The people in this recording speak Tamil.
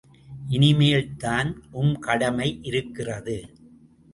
இனிமேல்தான் உம் கடமை இருக்கிறது.